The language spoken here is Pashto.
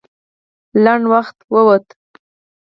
لنډ وخت ووت.